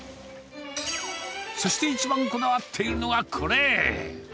そして一番こだわっているのが、これ。